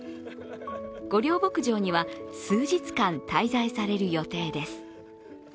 御料牧場には数日間滞在される予定です。